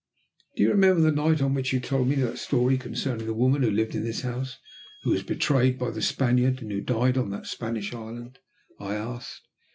"Do you remember the night on which you told me that story concerning the woman who lived in this house, who was betrayed by the Spaniard, and who died on that Spanish island?" I asked.